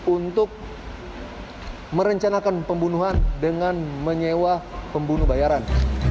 untuk merencanakan pembunuhan dengan menyewa pembunuh bayaran